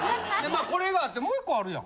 まあこれがあってもう１個あるやん。